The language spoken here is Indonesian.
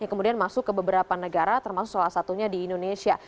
yang kemudian masuk ke beberapa negara termasuk salah satunya di indonesia